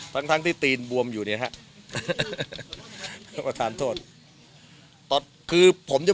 ครับทั้งที่ตีนบวมอยู่เนี้ยครับมาทานโทษคือผมจะ